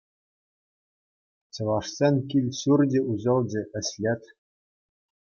Чӑвашсен кил-ҫурчӗ уҫӑлчӗ, ӗҫлет.